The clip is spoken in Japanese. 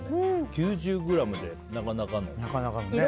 ９０ｇで、なかなかのね。